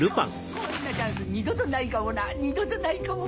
こんなチャンス二度とないかもな二度とないかも。